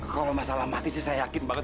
kalau masalah mati sih saya yakin banget